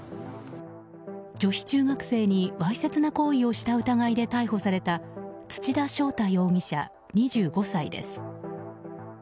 女子中学生にわいせつな行為をした疑いで逮捕された土田昌太容疑者、２５歳です。